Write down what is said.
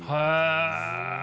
へえ。